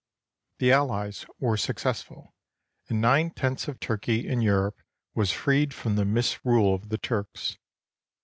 The allies were successful, and nine tenths of Turkey in Europe was freed from the misrule of the Turks.